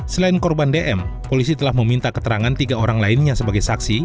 selain korban dm polisi telah meminta keterangan tiga orang lainnya sebagai saksi